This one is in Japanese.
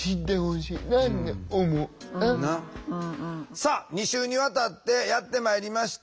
さあ２週にわたってやってまいりました。